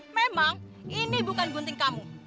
memang ini bukan gunting kamu